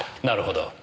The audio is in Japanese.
なるほど。